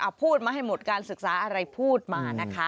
พูดมาให้หมดการศึกษาอะไรพูดมานะคะ